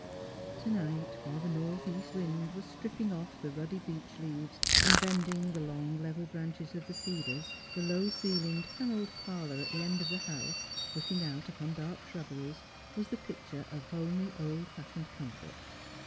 To night, while the north east wind was stripping off the ruddy beech leaves, and bending the long level branches of the cedars, the low ceiled, panelled parlour at the end of the house, looking out upon dark shrubberies, was the picture of homely old fashioned comfort.